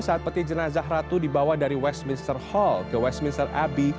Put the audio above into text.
saat peti jenazah ratu dibawa dari westminster hall ke westminster abbey